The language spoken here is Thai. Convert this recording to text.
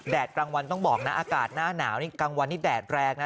กลางวันต้องบอกนะอากาศหน้าหนาวนี่กลางวันนี้แดดแรงนะ